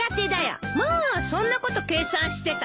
まあそんなこと計算してたの？